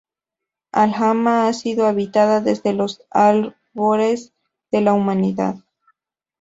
Alhama ha sido habitada desde los albores de la humanidad.